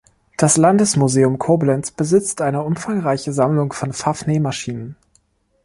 Das Landesmuseum Koblenz besitzt eine umfangreiche Sammlung von Pfaff-Nähmaschinen.